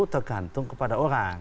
tergantung kepada orang